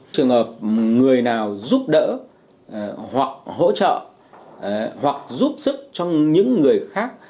trường hợp người nào giúp đỡ hoặc hỗ trợ hoặc giúp sức cho những người khác